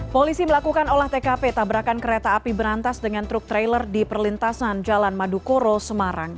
polisi melakukan olah tkp tabrakan kereta api berantas dengan truk trailer di perlintasan jalan madukoro semarang